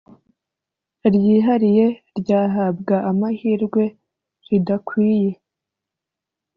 ryihariye ryahabwa amahirwe ridakwiye